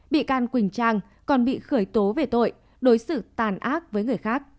bị can quỳnh trang còn bị khởi tố về tội đối xử tàn ác với người khác